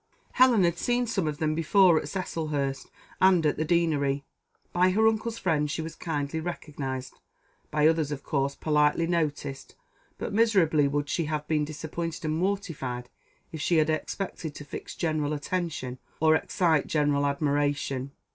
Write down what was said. Helen had seen some of them before at Cecilhurst and at the Deanery. By her uncle's friends she was kindly recognised, by others of course politely noticed; but miserably would she have been disappointed and mortified, if she had expected to fix general attention, or excite general admiration.